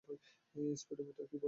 Speedometer কি বলে?